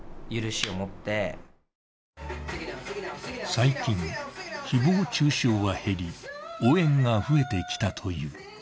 最近、誹謗中傷は減り、応援が増えてきたという。